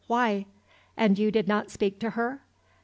Why?" "And you did not speak to her?"